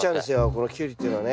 このキュウリっていうのはね。